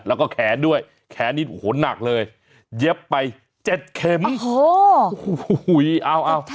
แล้วก็แขนด้วยแขนนี้โอ้โหหนักเลยเย็บไปเจ็ดเข็มโอ้โหเอา